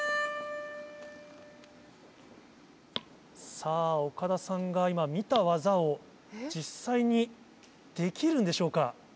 さぁ岡田さんが今見た技を実際にできるんでしょうか？